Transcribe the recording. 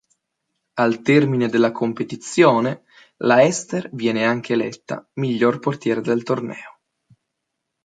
Al termine della competizione, la Ester viene anche eletta miglior portiere del torneo.